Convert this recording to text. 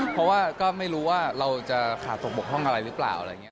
เพราะว่าก็ไม่รู้ว่าเราจะขาดตกบกห้องอะไรหรือเปล่า